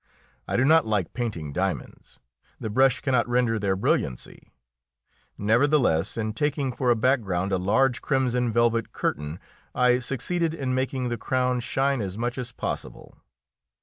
I do not like painting diamonds; the brush cannot render their brilliancy. Nevertheless, in taking for a background a large crimson velvet curtain, I succeeded in making the crown shine as much as possible.